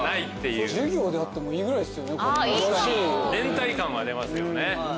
連帯感は出ますよね。